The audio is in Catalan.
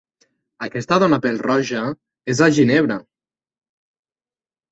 Aquesta dona pel-roja: és a Ginebra.